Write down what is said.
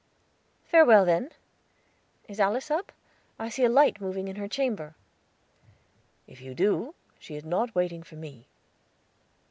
"Farewell then. Is Alice up? I see a light moving in her chamber." "If you do, she is not waiting for me."